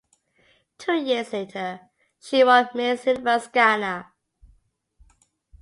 Two years later, she won Miss Universe Ghana.